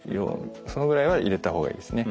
そのぐらいは入れた方がいいですね。